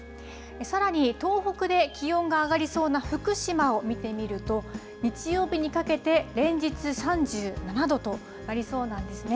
さらに東北で気温が上がりそうな福島を見てみると、日曜日にかけて連日３７度となりそうなんですね。